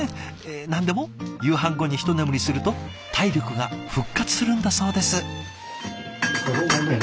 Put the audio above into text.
何でも夕飯後に一眠りすると体力が復活するんだそうです。